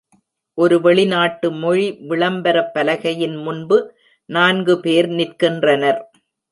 ஒரு வெளிநாட்டு மொழி விளம்பர பலகையின் முன்பு நான்கு பேர் நிற்கின்றனர்.